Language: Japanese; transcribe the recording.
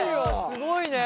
すごいね。